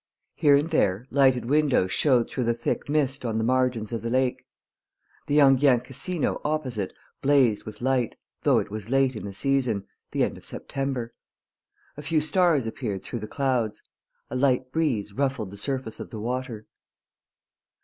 Here and there lighted windows showed through the thick mist on the margins of the lake. The Enghien Casino opposite blazed with light, though it was late in the season, the end of September. A few stars appeared through the clouds. A light breeze ruffled the surface of the water.